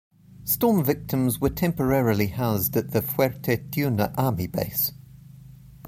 Storm victims were temporarily housed at the Fuerte Tiuna army base.